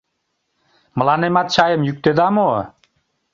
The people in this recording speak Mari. Мыланемат чайым йӱктеда мо?